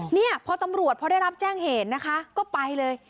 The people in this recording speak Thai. เนี่ยพอตำรวจพอได้รับแจ้งเหตุนะคะก็ไปเลย